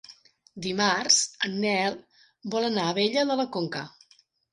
Dimarts en Nel vol anar a Abella de la Conca.